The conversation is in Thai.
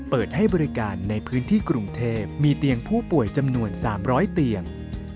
เปิดให้บริการในพื้นที่กรุงเทพมีเตียงผู้ป่วยจำนวน๓๐๐เตียง